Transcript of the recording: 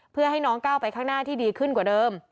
เพื่อให้น้องก้าวไปข้างหน้าที่ดีขึ้นกว่าเดิม